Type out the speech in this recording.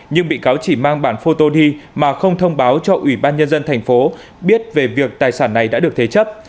nhưng bị cáo chỉ mang bản photody mà không thông báo cho ủy ban nhân dân thành phố biết về việc tài sản này đã được thế chấp